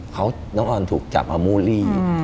เขาน้องอ่อนถูกจับเอามุรี